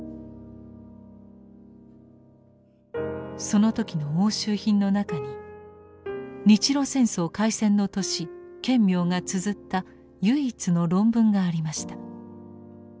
その時の押収品の中に日露戦争開戦の年顕明がつづった唯一の論文がありました。